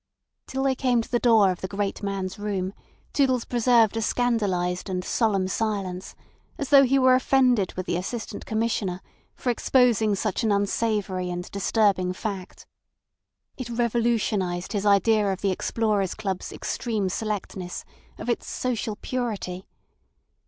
Till they came to the door of the great man's room, Toodles preserved a scandalised and solemn silence, as though he were offended with the Assistant Commissioner for exposing such an unsavoury and disturbing fact. It revolutionised his idea of the Explorers' Club's extreme selectness, of its social purity.